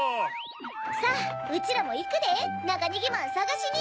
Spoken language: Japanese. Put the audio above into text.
さぁうちらもいくでナガネギマンさがしに！